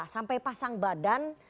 sampai pasang badan